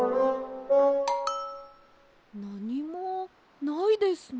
なにもないですね。